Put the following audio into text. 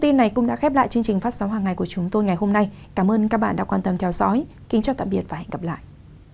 cảm ơn các bạn đã quan tâm theo dõi